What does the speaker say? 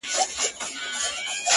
چا ویل چي خدای د انسانانو په رکم نه دی-